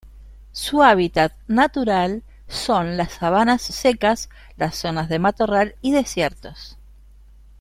Su hábitat natural son las sabanas secas, las zonas de matorral y desiertos.